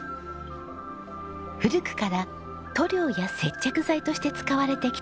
古くから塗料や接着剤として使われてきた漆。